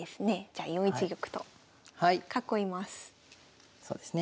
じゃあ４一玉と囲います。